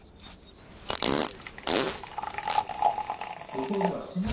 土俵では志摩ノ